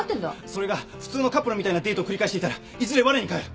それが普通のカップルみたいなデートを繰り返していたらいずれわれに返る。